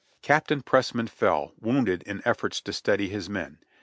Captain Pressman fell, wounded in efforts to steady his men.